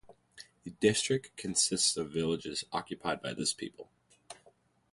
The district consists of villages occupied by this people.